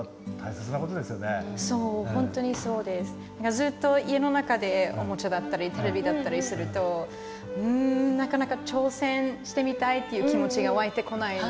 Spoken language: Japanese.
ずっと家の中でおもちゃだったりテレビだったりするとなかなか挑戦してみたいっていう気持ちが湧いてこないんですよね。